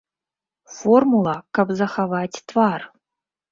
Формула, каб захаваць твар.